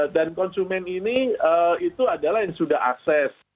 dan konsumen ini itu adalah yang sudah akses